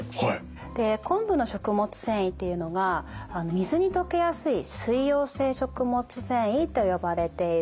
で昆布の食物繊維っていうのが水に溶けやすい水溶性食物繊維と呼ばれているものなんですね。